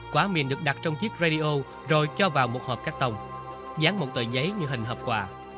quả mìn được đặt trong chiếc radio rồi cho vào một hộp cắt tông dán một tờ giấy như hình hợp quả